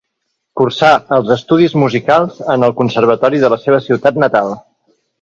Cursà els estudis musicals en el Conservatori de la seva ciutat natal.